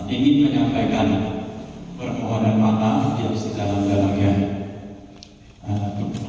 ingin menyampaikan permohonan mata yang sedang berakhir